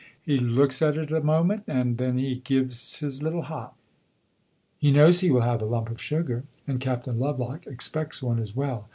He looks at it a moment and then he gives his little hop. He knows he will have a lump of sugar, and Captain Lovelock expects one as well.